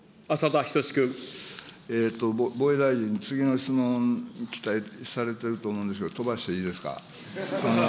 防衛大臣、次の質問に期待されてると思うんですが、飛ばしていいですか。